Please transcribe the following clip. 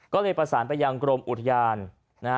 ก็เลยประสานไปยังกรมอุทยานนะฮะ